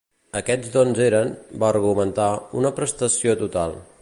Aquests dons eren, va argumentar, una prestació total.